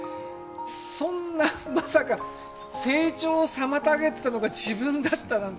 そんなまさか成長を妨げてたのが自分だったなんて。